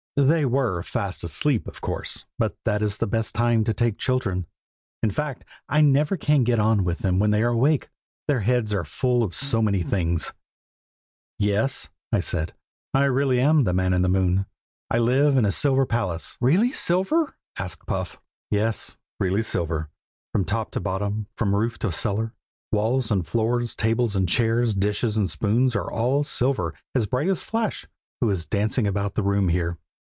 They were fast asleep, of course, but that is the best time to take children. In fact, I never can get on with them when they are awake, their heads are full of so many things. "Yes," I said, "I really am the Man in the Moon. I live in a silver palace " "Really silver?" asked Puff. "Yes, really silver, from top to bottom, from roof to cellar, walls and floors, tables and chairs, dishes and spoons are all silver, as bright as Flash, who is dancing about the room here."